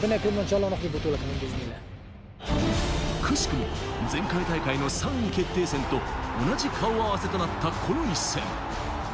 奇しくも前回大会の３位決定戦と同じ顔合わせとなったこの一戦。